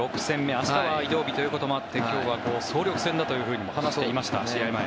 明日は移動日ということもあって総力戦だと話していました。